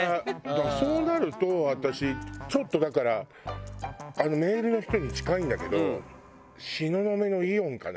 だからそうなると私ちょっとだからあのメールの人に近いんだけど東雲のイオンかな。